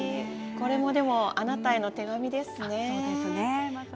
これも、あなたへの手紙ですね。